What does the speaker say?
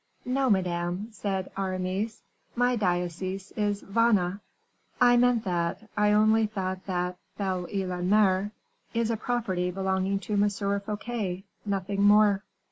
"No, madame," said Aramis. "My diocese is Vannes." "I meant that. I only thought that Belle Ile en Mer " "Is a property belonging to M. Fouquet, nothing more."